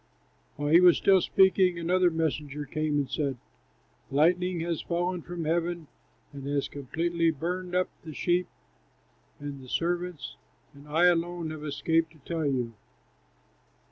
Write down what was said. While he was still speaking, another messenger came and said, "Lightning has fallen from heaven and has completely burned up the sheep and the servants, and I alone have escaped to tell you."